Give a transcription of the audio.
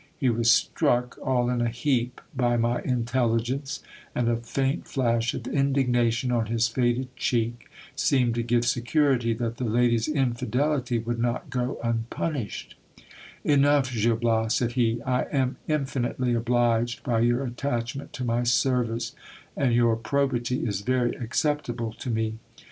He was struck all in a heap by my intelligence, and a faint flash of indignation on his faded cheek seemed to give security, that the lady's infidelity would not go EUPHRASIA PROCURES GIL BLASTS DISMISSAL. i unpunished. Enough, Gil Bias, said he, I am infinitely obliged by your attachment to my sen ice, and your probity is very acceptable to me.